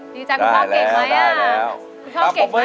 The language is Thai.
ดีใจคุณพ่อเก่งไหมอ่ะคุณพ่อเก่งไหม